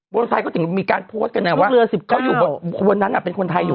คนไทยก็ถึงมีการโพสต์กันไงว่าเขาอยู่วันนั้นเป็นคนไทยอยู่